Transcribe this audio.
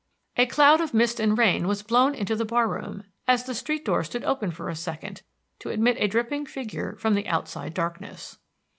A cloud of mist and rain was blown into the bar room as the street door stood open for a second to admit a dripping figure from the outside darkness.